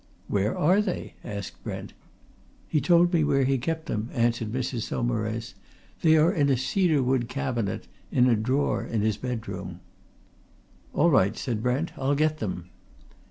"Where are they?" asked Brent. "He told me where he kept them," answered Mrs. Saumarez. "They are in a cedar wood cabinet, in a drawer in his bedroom." "All right," said Brent. "I'll get them."